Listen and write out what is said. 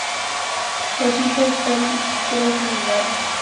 Las islas están situadas en el lado sur del arrecife de coral.